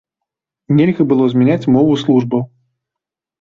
Нельга было змяняць мову службаў.